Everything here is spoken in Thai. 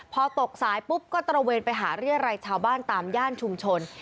พอตกสายปุ๊บก็ตระเวนไปหาเรียรัยชาวบ้านตามย่านชุมชน